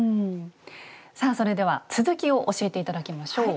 さあそれでは続きを教えて頂きましょう。